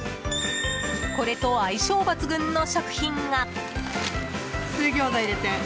これと相性抜群の食品が。